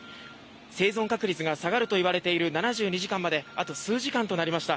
生存確率が下がるといわれている７２時間まであと数時間となりました。